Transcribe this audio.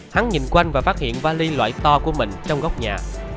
hắn nhìn quanh và phát hiện vali loại to của mình trong góc nhà